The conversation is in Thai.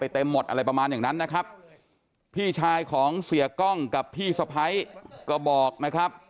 เต็มหมดอะไรประมาณอย่างนั้นนะครับพี่ชายของเสียกล้องกับพี่สะพ้ายก็บอกนะครับ